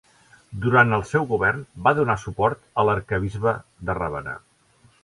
Durant el seu govern va donar suport a l'arquebisbe de Ravenna.